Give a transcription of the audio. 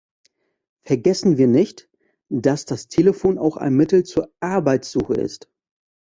Vergessen wir nicht, dass das Telefon auch ein Mittel zur Arbeitssuche ist.